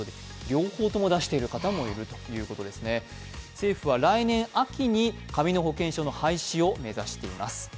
政府は来年秋に紙の保険証の廃止を目指しています。